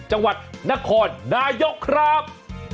จังหวัดนครนายกครับ